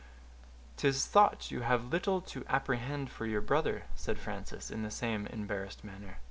"'Tis thought you have little to apprehend for your brother," said Frances, in the same embarrassed manner.